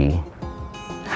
kalau itu terjadi